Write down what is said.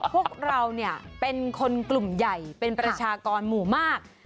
พวกเราเป็นคนกลุ่มใหญ่เป็นประชากรหมู่มาก